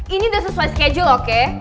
ini udah sesuai schedule oke